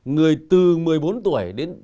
người từ một mươi bốn tuổi đến